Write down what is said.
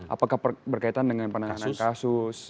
apakah berkaitan dengan penanganan kasus